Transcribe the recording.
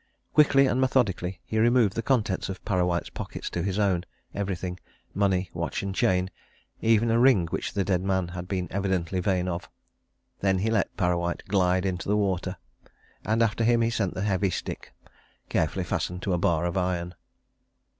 Quickly and methodically he removed the contents of Parrawhite's pockets to his own everything: money, watch and chain, even a ring which the dead man had been evidently vain of. Then he let Parrawhite glide into the water and after him he sent the heavy stick, carefully fastened to a bar of iron.